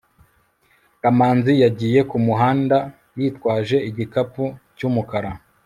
kamanzi yagiye mumuhanda yitwaje igikapu cyumukara